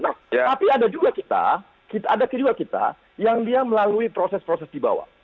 tapi ada juga kita ada kedua kita yang dia melalui proses proses di bawah